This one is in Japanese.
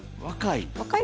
若い？